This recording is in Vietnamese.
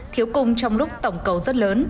thiếu cung trong lúc tổng cầu rất lớn